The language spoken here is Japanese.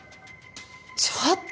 ちょっと。